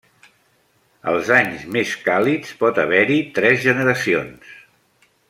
Els anys més càlids pot haver-hi tres generacions.